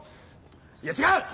いや違う！